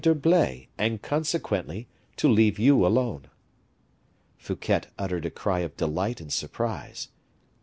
d'Herblay, and, consequently, to leave you alone." Fouquet uttered a cry of delight and surprise.